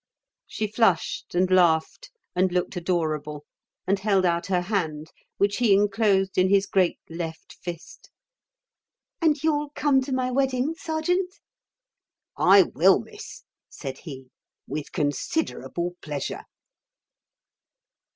She flushed and laughed and looked adorable, and held out her hand, which he enclosed in his great left fist. "And you'll come to my wedding, Sergeant?" "I will, Miss," said he. "With considerable pleasure."